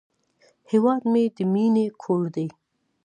هیواد مې د مینې کور دی